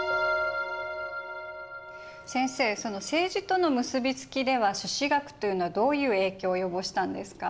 先生その政治との結び付きでは朱子学というのはどういう影響を及ぼしたんですか？